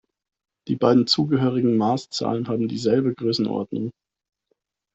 Die beiden zugehörigen Maßzahlen haben dieselbe Größenordnung.